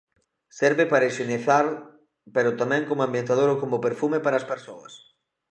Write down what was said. Serve para hixienizar pero tamén como ambientador ou como perfume para as persoas.